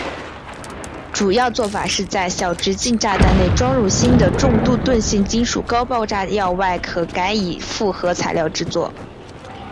主要作法是在小直径炸弹内装入新的重度钝性金属高爆炸药外壳改以复合材料制造。